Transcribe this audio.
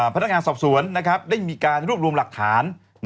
พนักงานสอบสวนได้มีการรวบรวมหลักฐาน